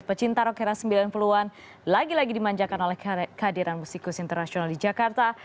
pecinta rokera sembilan puluh an lagi lagi dimanjakan oleh kehadiran musikus internasional di jakarta